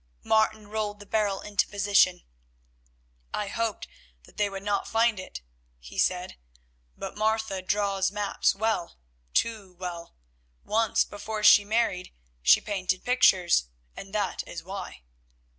Martin rolled the barrel into position. "I hoped that they would not find it," he said, "but Martha draws maps well, too well. Once, before she married, she painted pictures, and that is why."